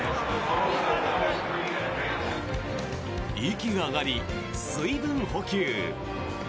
息が上がり、水分補給。